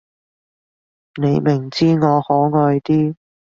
你明知我可愛啲